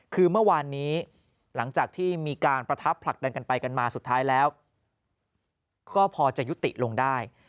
คือเมื่อวานนี้หลังจากที่มีการประทับผลักดันกันไปกันมาสุดท้ายแล้วก็พอจะยุติลงได้